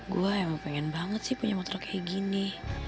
gue emang pengen banget sih punya motor kayak gini